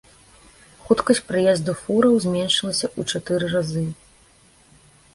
Хуткасць праезду фураў зменшылася ў чатыры разы.